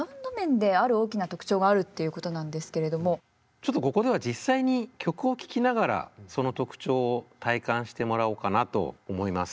ちょっとここでは実際に曲を聴きながらその特徴を体感してもらおうかなと思います。